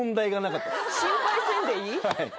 心配せんでいい？